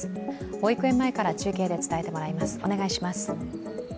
保育園前から中継で伝えてもらいます。